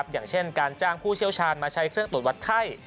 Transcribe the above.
อย่างเช่นการจ้างผู้เชี่ยวชาญมาใช้เครื่องตรวจวัดไข้